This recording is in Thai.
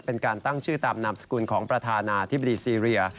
เป็นการตั้งชื่อตามนามสกุลของประธานาธิบดีซีเรีย